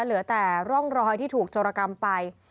เหลือแต่ร่องรอยที่ถูกโจรกรรมไป